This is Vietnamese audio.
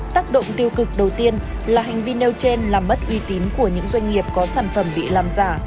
tác động tiêu cực đầu tiên là hành vi nêu trên làm mất uy tín của những doanh nghiệp có sản phẩm bị làm giả